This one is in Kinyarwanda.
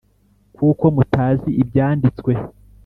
kuko mutazi Ibyanditswe